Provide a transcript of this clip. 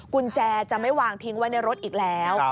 กุญแจจะไม่วางทิ้งไว้ในรถอีกแล้ว